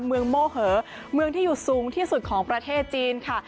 โม่เหอเมืองที่อยู่สูงที่สุดของประเทศจีนค่ะ